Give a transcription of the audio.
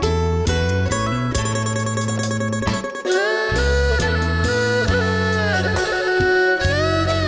แร่งเมืองลันตาแหง